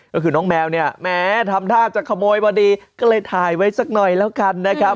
ก็คือน้องแมวเนี่ยแม้ทำท่าจะขโมยพอดีก็เลยถ่ายไว้สักหน่อยแล้วกันนะครับ